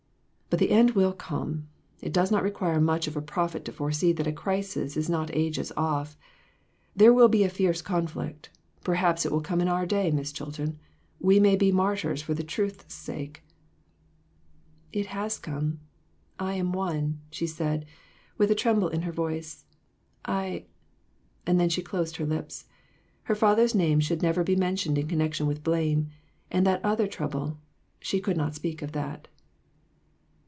But the end will come. It does not require much of a prophet to foresee that a crisis is not ages off. There will be a fierce conflict ; perhaps it will come in our day, Miss Chilton. We may be martyrs for the truth's sake." "It has come. I am one," she said, with a tremble in her voice. "I" and then she closed her lips. Her father's name should never be mentioned in connection with blame and that other trouble she could not speak of that.